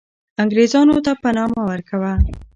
انګریزانو ته پنا مه ورکوه.